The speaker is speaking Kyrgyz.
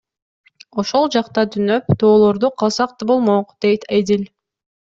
Ошол жакта түнөп, тоолордо калсак да болмок, — дейт Эдил.